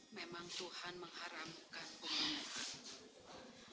memang tuhan mengharamkan umum